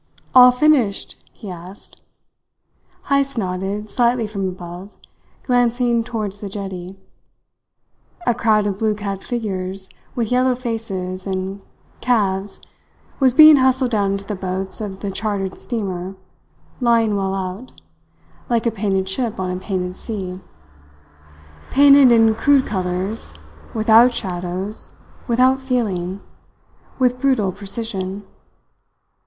"All finished?" he asked. Heyst nodded slightly from above, glancing towards the jetty. A crowd of blue clad figures with yellow faces and calves was being hustled down into the boats of the chartered steamer lying well out, like a painted ship on a painted sea; painted in crude colours, without shadows, without feeling, with brutal precision.